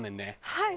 はい。